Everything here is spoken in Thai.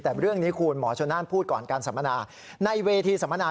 แต่เรื่องนี้คุณหมอชนนั่นพูดก่อนการสัมมนาในเวทีสัมมนา